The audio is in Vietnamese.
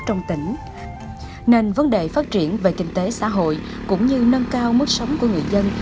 trong tỉnh nên vấn đề phát triển về kinh tế xã hội cũng như nâng cao mức sống của người dân